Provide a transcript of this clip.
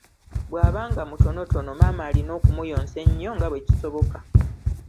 Bw'aba nga mutonotono maama alina okumuyonsa ennyo nga bwe kisoboka.